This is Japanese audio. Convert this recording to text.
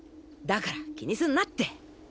だから気にすんなって。